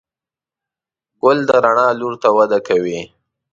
ګل د رڼا لور ته وده کوي.